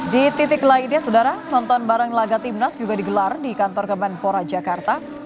di titik lainnya saudara nonton bareng laga timnas juga digelar di kantor kemenpora jakarta